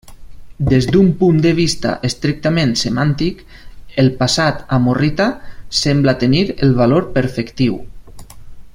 Des d'un punt de vista estrictament semàntic, el passat amorrita sembla tenir el valor perfectiu.